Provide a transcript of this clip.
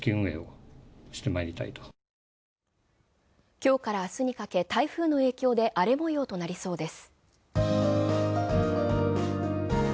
今日から明日にかけ、台風の影響で荒れ模様となりそうです。